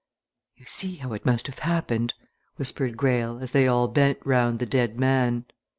"You see how it must have happened," whispered Greyle, as they all bent round the dead man.